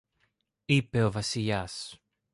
είπε ο Βασιλιάς.